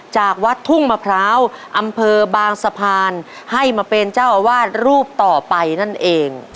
จากวัดทุ่งมะพร้าวอำเภอบางสะพานให้มาเป็นเจ้าอาวาสรูปต่อไปนั่นเอง